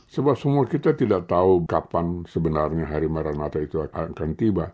sebab semua kita tidak tahu kapan sebenarnya harimaran nata itu akan tiba